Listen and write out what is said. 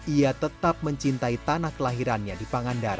ia tetap mencintai tanah kelahirannya di pangandaran